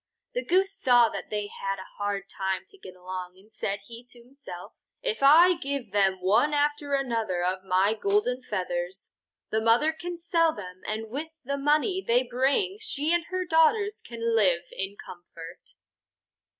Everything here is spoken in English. The Goose saw that they had a hard time to get along and said he to himself: "If I give them one after another of my golden feathers, the mother can sell them, and with the money they bring she and her daughters can then live in comfort."